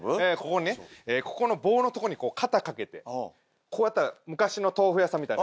ここの棒のとこに肩掛けてこうやったら昔の豆腐屋さんみたいに。